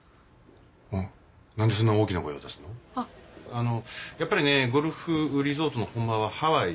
あのやっぱりねゴルフリゾートの本場はハワイだからね。